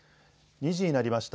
２時になりました。